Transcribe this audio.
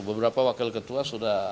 beberapa wakil ketua sudah